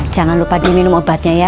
jangan lupa diminum obatnya ya